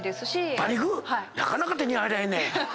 なかなか手に入らへんねん。